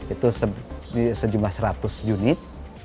itu sejumlah seratus unit